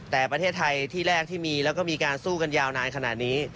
แต่ประเทศไทยที่แรกที่มีแล้วก็มีการสู้กันยาวนานขนาดนี้